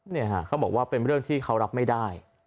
เขาบอกว่าเป็นเรื่องที่เขารับไม่ได้